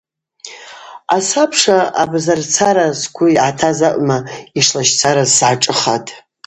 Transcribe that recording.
Асабша Абазарцара сгвы йъатаз акӏвма – йшлащцараз сгӏашӏыхатӏ.